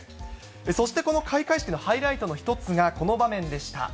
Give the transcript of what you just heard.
そしてこの開会式のハイライトの一つが、この場面でした。